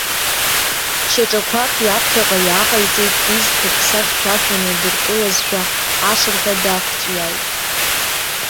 Шьаҿақәак иаԥхьаҟа иааҟаиҵеит, изқәа аԥса хьшәашәа надыркылазшәа, ашырҳәа даақәҵәиааит.